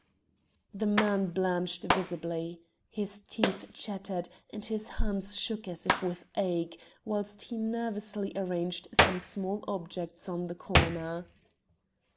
The man blanched visibly. His teeth chattered, and his hands shook as if with ague, whilst he nervously arranged some small objects on the counter.